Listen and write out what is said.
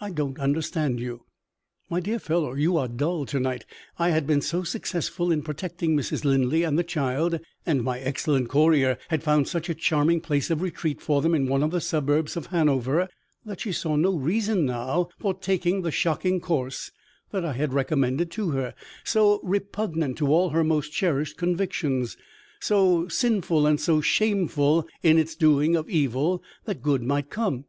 "I don't understand you." "My dear fellow, you are dull to night. I had been so successful in protecting Mrs. Linley and the child, and my excellent courier had found such a charming place of retreat for them in one of the suburbs of Hanover, that 'she saw no reason now for taking the shocking course that I had recommended to her so repugnant to all her most cherished convictions; so sinful and so shameful in its doing of evil that good might come.